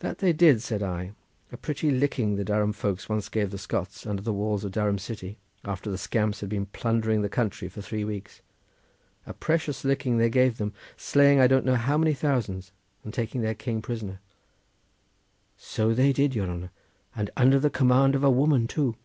"That they did," said I; "a pretty licking the Durham folks once gave the Scots under the walls of Durham city, after the scamps had been plundering the country for three weeks—a precious licking they gave them, slaying I don't know how many thousands, and taking their king prisoner." "So they did, your honour, and under the command of a woman too."